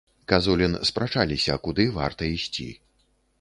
Казулін спрачаліся, куды варта ісці.